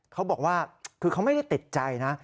เขาบอกว่าคือเขาไม่ได้ติดใจนะ